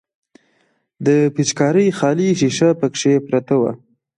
د پيچکارۍ خالي ښيښه پکښې پرته وه.